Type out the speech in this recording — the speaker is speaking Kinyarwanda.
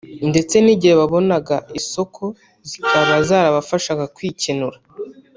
ndetse n’igihe babonaga isoko zikaba zarabafashaga kwikenura